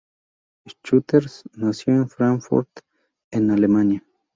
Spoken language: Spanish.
Schuster nació en Fráncfort en Alemania.